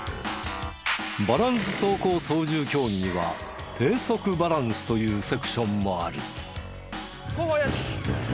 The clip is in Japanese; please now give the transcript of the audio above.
バランス走行操縦競技には低速バランスというセクションもある。